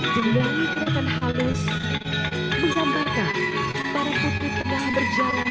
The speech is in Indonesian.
dengan ikutan halus menggambarkan para putri terlalu berpikir bertanggung sayang